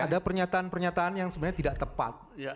ada pernyataan pernyataan yang sebenarnya tidak tepat